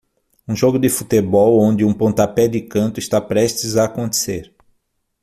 Um jogo de futebol onde um pontapé de canto está prestes a acontecer.